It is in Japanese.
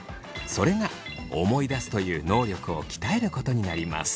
それが思い出すという能力を鍛えることになります。